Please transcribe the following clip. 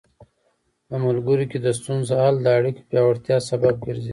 په ملګرو کې د ستونزو حل د اړیکو پیاوړتیا سبب ګرځي.